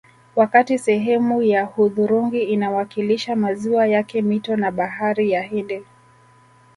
Wakati sehemu ya hudhurungi inawakilisha maziwa yake mito na Bahari ya Hindi